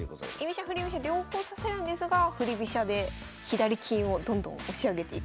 居飛車振り飛車両方指せるんですが振り飛車で左金をどんどん押し上げていくみたいな。